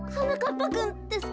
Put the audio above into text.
ぱくんですか？